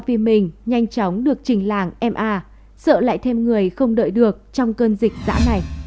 phim mình nhanh chóng được trình làng em à sợ lại thêm người không đợi được trong cơn dịch dã này